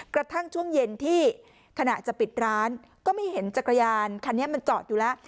กระทั่งช่วงเย็นที่ขณะจะปิดร้านก็ไม่เห็นจักรยานคันนี้มันจอดอยู่แล้ว